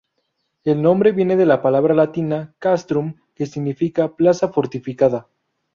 El nombre viene de la palabra latina "castrum", que significa "plaza fortificada".